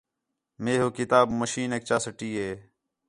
مے ہو کتاب مشینیک چا سٹی ہِے